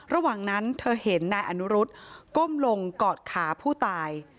ระหว่างนั้นเธอเห็นนายอนุรุษก้มลงกอดขาผู้ตาย